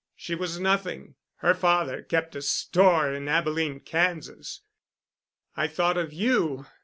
She was nothing. Her father kept a store in Abilene, Kansas. I thought of you.